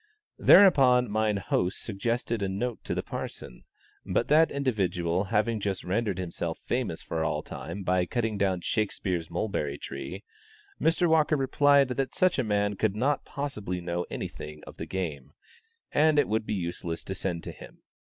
Thereupon mine host suggested a note to the parson, but that individual having just rendered himself famous for all time by cutting down Shakspeare's mulberry tree, Mr. Walker replied that such a man could not possibly know anything of the game, and it would be useless to send to him.